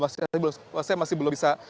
saya masih belum bisa